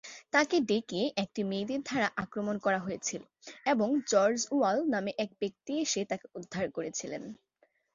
তাকে ডেকে একটি মেয়েদের দ্বারা আক্রমণ করা হয়েছিল, এবং জর্জ ওয়াল নামে এক ব্যক্তি এসে তাকে উদ্ধার করেছিলেন।